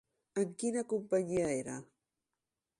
En quina companyia era?